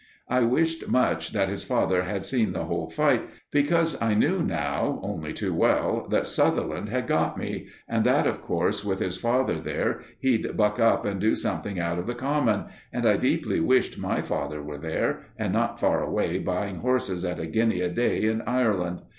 I wished much that his father had seen the whole fight, because I knew now, only too well, that Sutherland had got me and that, of course, with his father there, he'd buck up and do something out of the common; and I deeply wished my father were there, and not far away buying horses at a guinea a day in Ireland.